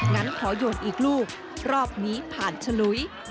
งั้นขอโยนอีกลูกรอบนี้ผ่านฉลุย